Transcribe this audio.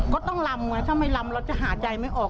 ก็ต้องลำไงถ้าไม่ลำเราจะหาใจไม่ออก